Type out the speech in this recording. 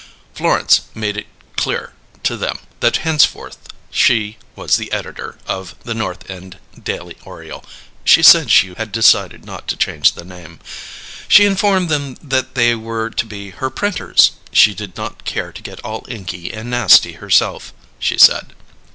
Florence made it clear to them that henceforth she was the editor of The North End Daily Oriole. (She said she had decided not to change the name.) She informed them that they were to be her printers; she did not care to get all inky and nasty herself, she said.